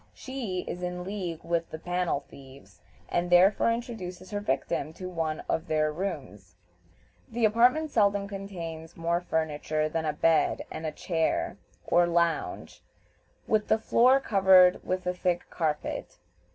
She is in league with the "panel thieves," and therefore introduces her victim to one of their rooms. The apartment seldom contains more furniture than a bed and a chair or lounge, with the floor covered with a thick carpet.